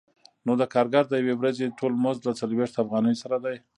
نو د کارګر د یوې ورځې ټول مزد له څلوېښت افغانیو سره دی